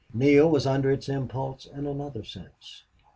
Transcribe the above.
Neale was under its impulse, in another sense.